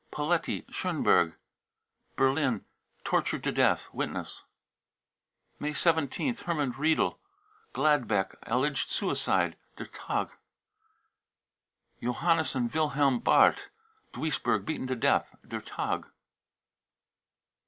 paletti, Schoneberg, Berlin, tortured to deat (Witness.) # May 1 7th. Hermann riedel, Gladbeck, alleged suicide. {Der Tq Johannes and wilhelm bardt, Duisburg, beaten to deat (Der Tag.)